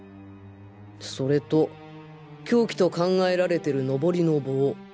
それと凶器と考えられてるノボリの棒。